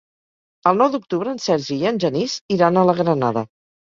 El nou d'octubre en Sergi i en Genís iran a la Granada.